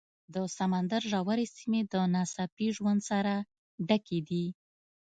د سمندر ژورې سیمې د ناڅاپي ژوند سره ډکې دي.